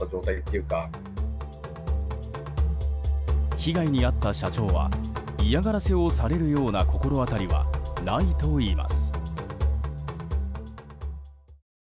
被害に遭った社長は嫌がらせをされるような心当たりはないといいます。